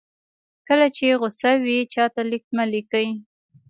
کله چې غوسه وئ چاته لیک مه لیکئ.